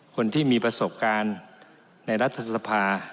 คนที่มีประสบการณ์ในรัฐสภา